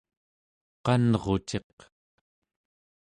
qanruciq